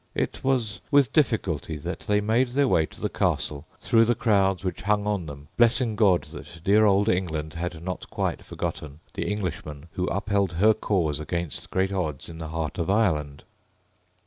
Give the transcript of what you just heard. It was with difficulty, that they made their way to the Castle through the crowds which hung on them, blessing God that dear old England had not quite forgotten the Englishmen who upheld her cause against great odds in the heart of Ireland.